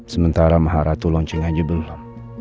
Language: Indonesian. sementara maharatu launching aja belum